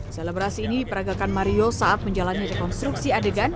selebrasi ini diperagakan mario saat menjalani rekonstruksi adegan